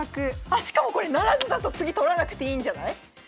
あっしかもこれ不成だと次取らなくていいんじゃない？